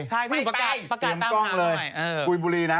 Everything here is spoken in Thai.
ใช่ประกาศตามมาสมัยเรียมกล้องเลยกุยบุรีนะ